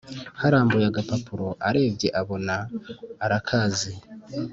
harambuye agapapuro arebye abona arakazi